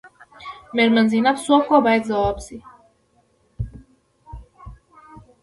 میرمن زینب څوک وه باید ځواب شي.